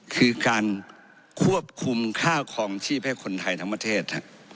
คือการควบคุมค่าคลองชีพให้คนไทยทั้งประเทศ